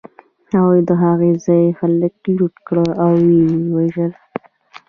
هغوی د هغه ځای خلک لوټ کړل او و یې وژل